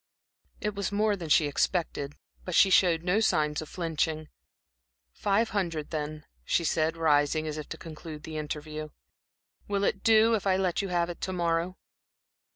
It was more than she expected, but she showed no signs of flinching. "Five hundred, then," she said, rising as if to conclude the interview. "Will it do, if I let you have it to morrow?"